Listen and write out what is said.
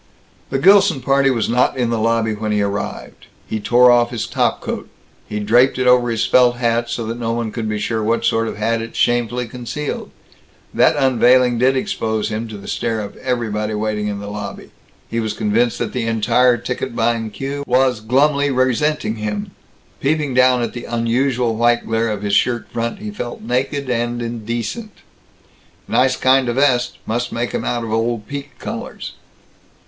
The Gilson party was not in the lobby when he arrived. He tore off his top coat. He draped it over his felt hat, so that no one could be sure what sort of hat it shamefully concealed. That unveiling did expose him to the stare of everybody waiting in the lobby. He was convinced that the entire ticket buying cue was glumly resenting him. Peeping down at the unusual white glare of his shirt front, he felt naked and indecent.... "Nice kind o' vest. Must make 'em out of old piqué collars."